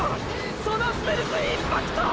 そのステルスインパクトを！！